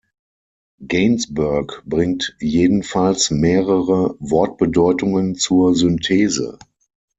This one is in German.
Gainsbourg bringt jedenfalls mehrere Wortbedeutungen zur Synthese.